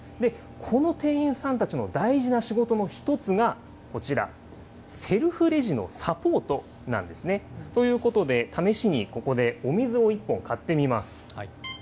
この店員さんたちの大事な仕事の１つがこちら、セルフレジのサポートなんですね。ということで、試しにここでお水を１本買ってみます。